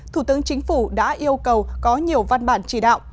thủ tướng chính phủ đã yêu cầu có nhiều văn bản chỉ đạo